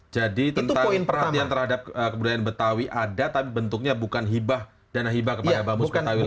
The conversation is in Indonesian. jadi perhatian terhadap kebudayaan betawi ada tapi bentuknya bukan hibah dana hibah kepada bamus betawi lagi